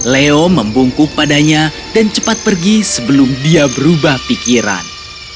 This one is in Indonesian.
leo membungkuk padanya dan cepat pergi sebelum dia berubah pikiran